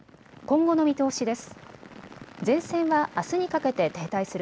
今後の見通しです。